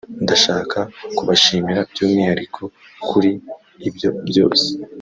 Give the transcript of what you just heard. ndashaka kubashimira by’umwihariko kuri ibyo byose